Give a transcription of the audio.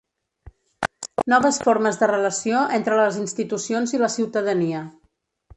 Noves formes de relació entre les institucions i la ciutadania.